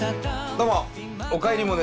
どうも！